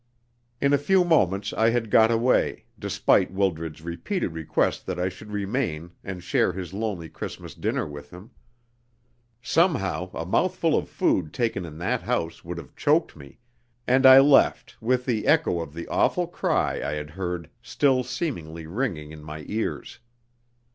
In a few moments I had got away, despite Wildred's repeated request that I should remain and share his lonely Christmas dinner with him. Somehow, a mouthful of food taken in that house would have choked me, and I left with the echo of the awful cry I had heard still seemingly ringing in my ears.